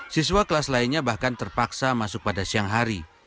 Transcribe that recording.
siswa kelas lainnya bahkan terpaksa masuk pada siang hari